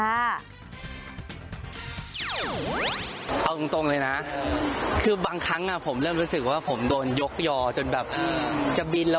เอาตรงเลยนะคือบางครั้งผมเริ่มรู้สึกว่าผมโดนยกยอจนแบบจะบินแล้ว